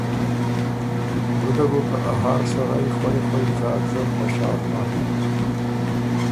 ګُده بو که ا هر سړئ خوئ خوئ ځاک زر خوشال بۀ۔